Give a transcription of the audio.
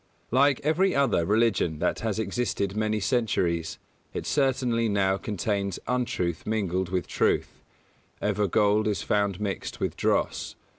Like every other religion that has existed many centuries, it certainly now contains untruth mingled with truth; ever gold is found mixed with dross.